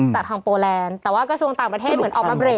จากทางโปแลนด์แต่ว่ากระทรวงต่างประเทศเหมือนออกมาเรก